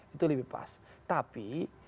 itu lebih pas tapi